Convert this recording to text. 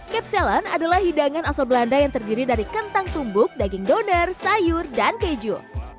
capsellen adalah hidangan asal belanda yang terdiri dari kentang tumbuk daging doner sayur dan keju